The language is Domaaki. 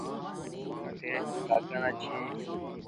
زڎنݣ بوٹے راکانا چھے